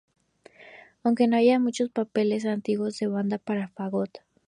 Aunque no hay muchos papeles antiguos de banda para fagot.